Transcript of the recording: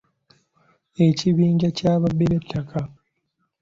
Ekibinja ky'ababbi b'ettaka.